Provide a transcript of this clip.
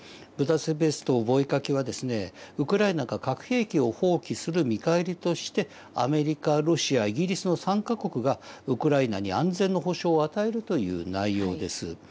ブダペスト覚書はですねウクライナが核兵器を放棄する見返りとしてアメリカロシアイギリスの３か国がウクライナに安全の保障を与えるという内容です。